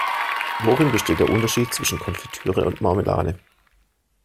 Worin besteht der Unterschied zwischen Konfitüre und Marmelade?